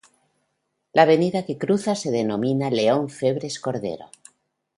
La avenida que cruza se denomina León Febres Cordero.